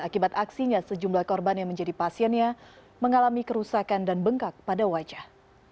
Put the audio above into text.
akibat aksinya sejumlah korban yang menjadi pasiennya mengalami kerusakan dan bengkak pada wajah